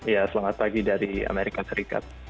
ya selamat pagi dari amerika serikat